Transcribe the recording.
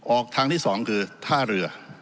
ออกทางที่๒คือท่าเรือ